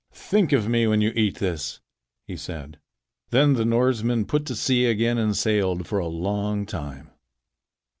"Think of me when you eat this," he said. Then the Norsemen put to sea again and sailed for a long time.